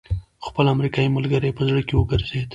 خپل امريکايي ملګری يې په زړه کې وګرځېد.